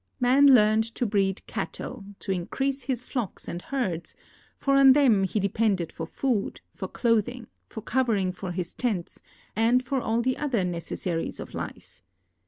Man learned to breed cattle, to increase his flocks and herds, for on them he depended for food, for clothing, for covering for his tents, and for all the other necessaries of life.